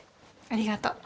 ありがとう。